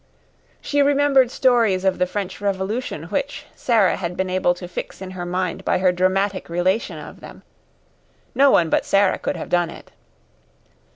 She remembered stories of the French Revolution which Sara had been able to fix in her mind by her dramatic relation of them. No one but Sara could have done it.